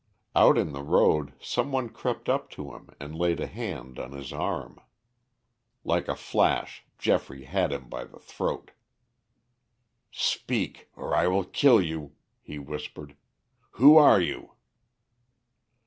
Out in the road some one crept up to him and laid a hand on his arm. Like a flash Geoffrey had him by the throat. "Speak, or I will kill you," he whispered. "Who are you?"